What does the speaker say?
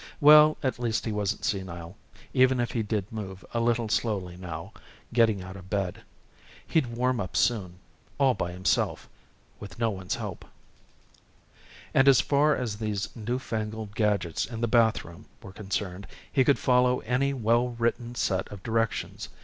Well, at least he wasn't senile, even if he did move a little slowly, now, getting out of bed. He'd warm up soon. All by himself. With no one's help. And as far as these newfangled gadgets in the bathroom were concerned, he could follow any well written set of directions.